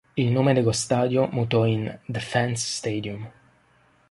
Il nome dello stadio mutò in "The Fans' Stadium".